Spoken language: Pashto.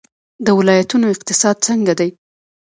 د ولایتونو اقتصاد څنګه دی؟